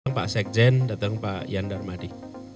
datang pak sekjen datang pak yandar madi